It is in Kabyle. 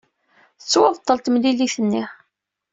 Tettwabṭel temlilit-nni.